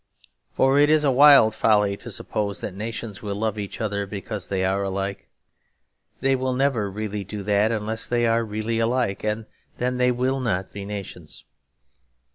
For it is a wild folly to suppose that nations will love each other because they are alike. They will never really do that unless they are really alike; and then they will not be nations.